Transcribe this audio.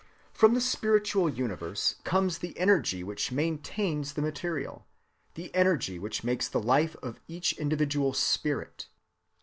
From the spiritual universe comes the energy which maintains the material; the energy which makes the life of each individual spirit.